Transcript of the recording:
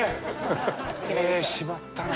ええしまったなあ。